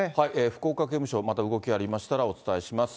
福岡刑務所、また動きがありましたらお伝えします。